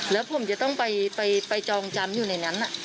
แล้วผมจะต้องไปจองจำอยู่ในนั้น